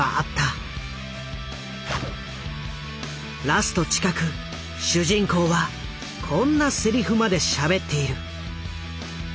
ラスト近く主人公はこんなセリフまでしゃべっている。